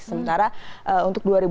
sementara untuk dua ribu delapan belas